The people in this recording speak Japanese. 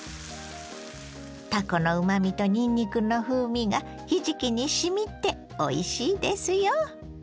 たこのうまみとにんにくの風味がひじきにしみておいしいですよ。